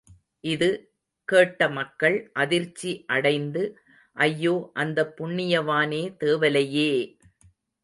இது கேட்ட மக்கள் அதிர்ச்சி அடைந்து ஐயோ அந்தப் புண்ணியவானே தேவலையே!